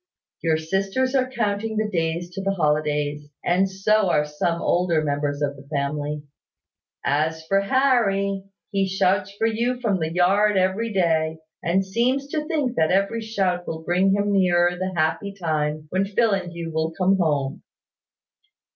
Your sisters are counting the days to the holidays; and so are some older members of the family. As for Harry, he shouts for you from the yard every day, and seems to think that every shout will bring nearer the happy time when Phil and you will come home.